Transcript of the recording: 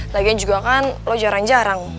lagian juga kan lo jarang jarang